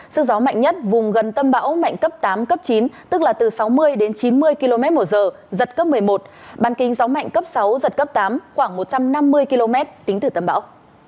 sức gió mạnh nhất vùng gần tâm bão mạnh cấp tám cấp chín tức là từ sáu mươi đến chín mươi km một giờ giật cấp một mươi một bàn kinh gió mạnh cấp sáu giật cấp tám khoảng một trăm năm mươi km tính từ tâm bão